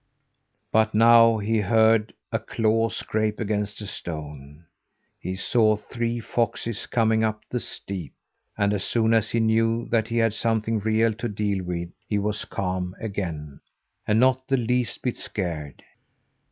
But now he heard a claw scrape against a stone. He saw three foxes coming up the steep; and as soon as he knew that he had something real to deal with, he was calm again, and not the least bit scared.